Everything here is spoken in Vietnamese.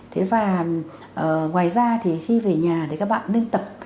thế và ngoài ra thì khi về nhà thì các bạn nên tập